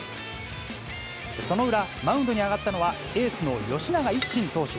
その裏、マウンドに上がったのはエースの吉永粋真投手。